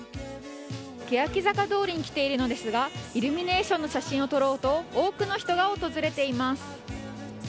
けやき坂通りに来ているのですがイルミネーションの写真を撮ろうと多くの人が訪れています。